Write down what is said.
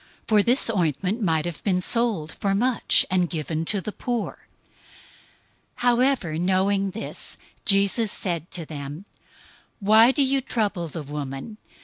026:009 For this ointment might have been sold for much, and given to the poor." 026:010 However, knowing this, Jesus said to them, "Why do you trouble the woman?